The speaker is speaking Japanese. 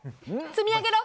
積み上げろ！